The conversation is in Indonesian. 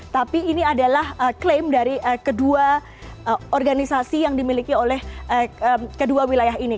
tapi ini adalah klaim dari kedua organisasi yang dimiliki oleh kedua wilayah ini